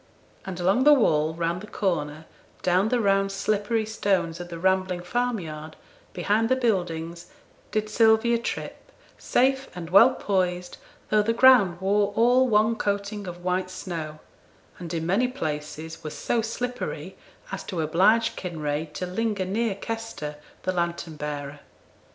"' And along the wall, round the corner, down the round slippery stones of the rambling farmyard, behind the buildings, did Sylvia trip, safe and well poised, though the ground wore all one coating of white snow, and in many places was so slippery as to oblige Kinraid to linger near Kester, the lantern bearer.